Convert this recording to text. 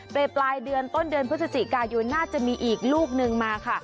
ปลายเดือนต้นเดือนพฤศจิกายนน่าจะมีอีกลูกนึงมาค่ะ